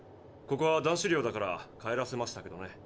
ここは男子寮だから帰らせましたけどね。